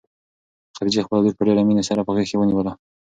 خدیجې خپله لور په ډېرې مینې سره په غېږ کې ونیوله.